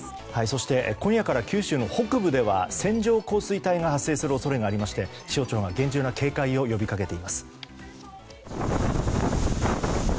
そして、今夜から九州の北部では線状降水帯が発生する恐れがありまして気象庁が厳重な警戒を呼びかけています。